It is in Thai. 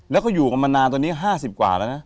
แล้วเค้าอยู่มามานานตัวนี้๕๐กว่าแล้วนะ